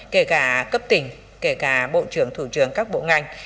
kể cả cấp tỉnh kể cả bộ trưởng thủ trưởng các bộ ngành